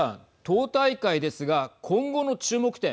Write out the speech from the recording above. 党大会ですが今後の注目点